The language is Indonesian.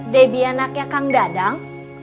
debbie anaknya kang dadang